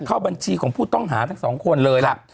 เข้าบัญชีของผู้ต้องหาทั้งสองคนเลยล่ะ